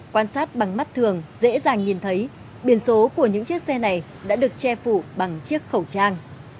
quan sát bằng mắt thường dễ dàng nhìn thấy biển số của những chiếc xe này đã được che phủ bằng chiếc khẩu trang